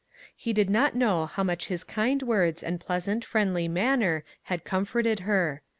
He did not know how much his kind words and pleasant, friendly manner had comforted her.